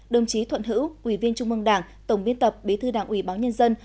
đồng chí thuận hữu ủy viên trung mương đảng tổng biên tập bí thư đảng ủy báo nhân dân